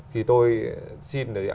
thì tôi xin